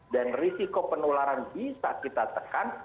dan risiko penularan bisa kita tekan